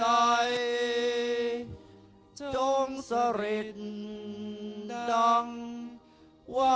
และผู้มีเกียรติที่กรบท่านได้ลุกขึ้นยืนโดยพร้อมเพียงกันครับ